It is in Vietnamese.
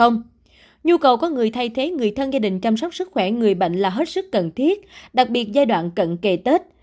nhu cầu của người thay thế người thân gia đình chăm sóc sức khỏe người bệnh là hết sức cần thiết đặc biệt giai đoạn cận kề tết